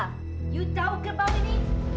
kamu tahu kebawah ini